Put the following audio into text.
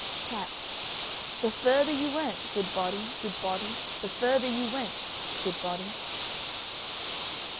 CAT. The further you went, good body, good body The further you went, good body.